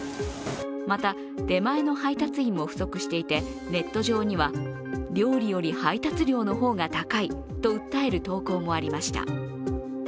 また、出前の配達員も不足していてネット上には料理より配達料の方が高いと訴える投稿もありました。